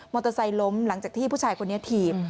เตอร์ไซค์ล้มหลังจากที่ผู้ชายคนนี้ถีบ